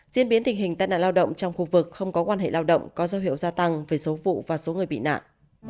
diễn biến tình hình tai nạn lao động trong khu vực không có quan hệ lao động có dấu hiệu gia tăng về số vụ và số người bị nạn